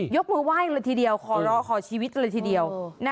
ยกมือไหว้เลยทีเดียวขอร้องขอชีวิตเลยทีเดียว